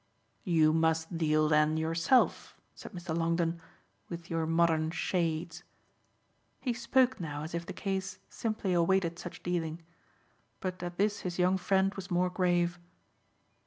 "You must deal then yourself," said Mr. Longdon, "with your modern shades." He spoke now as if the case simply awaited such dealing. But at this his young friend was more grave.